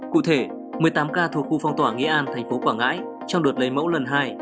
cụ thể một mươi tám ca thuộc khu phong tỏa nghĩa an tp quảng ngãi trong đợt lấy mẫu lần hai